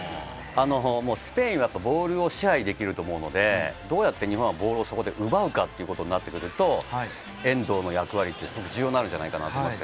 スペインはボールを支配できると思うので、どうやって日本はそこでボールを奪うかということになってくると、エンドの役割は重要じゃないかなと思います。